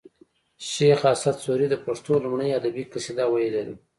شیخ اسعد سوري د پښتو لومړنۍ ادبي قصیده ویلې ده